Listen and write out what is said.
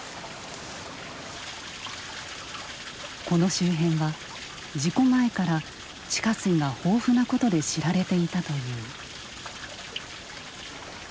この周辺は事故前から地下水が豊富なことで知られていたという。